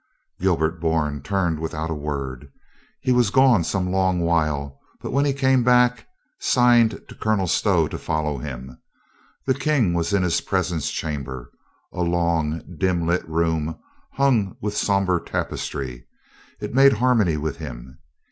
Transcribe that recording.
Gilbert Bourne turned without a word. He was gone some long while, but when he came back. 354 COLONEL GREATHEART signed to Colonel Stow to follow him. The King was in his presence chamber, a long, dim lit room hung with somber tapestry. It made harmony with him.